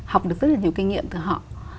học được rất là nhiều kinh nghiệm từ họ